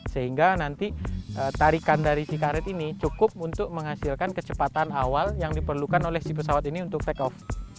sehingga nanti tarikan dari si karet ini cukup untuk menghasilkan kecepatan awal yang diperlukan oleh si pesawat ini untuk take off